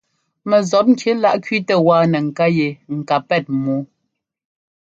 Mɛ zɔpŋki láꞌ kẅíitɛ wáa nɛ ŋká yɛ ŋ ká pɛ́t mɔ́ɔ.